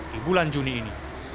di bulan juni ini